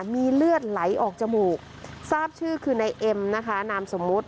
มีเลือดไหลออกจมูกทราบชื่อคือนายเอ็มนะคะนามสมมุติ